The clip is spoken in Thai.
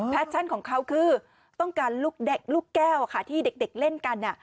อ๋อแพชชั่นของเขาคือต้องการลูกแก่ลูกแก้วค่ะที่เด็กเล่นกัน